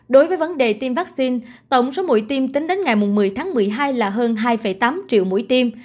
đối với vấn đề tiêm vaccine tổng số mũi tiêm tính đến ngày một mươi tháng một mươi hai là hơn hai tám triệu mũi tiêm